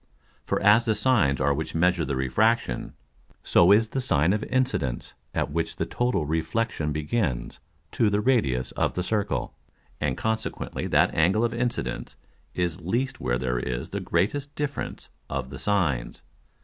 For as the Sines are which measure the Refraction, so is the Sine of Incidence at which the total Reflexion begins, to the Radius of the Circle; and consequently that Angle of Incidence is least where there is the greatest difference of the Sines.